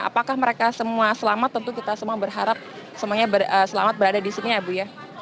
apakah mereka semua selamat tentu kita semua berharap semuanya selamat berada di sini ya bu ya